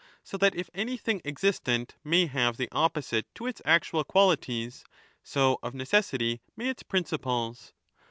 So that if anything existent may have the opposite to its actual 1223* qualities, so of necessity may its principles.